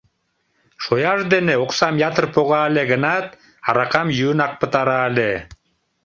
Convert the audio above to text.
Шояж дене оксам ятыр пога ыле гынат, аракам йӱынак пытара ыле.